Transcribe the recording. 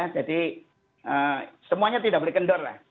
ya jadi semuanya tidak boleh kendor lah